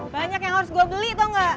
banyak yang harus gua beli tau ga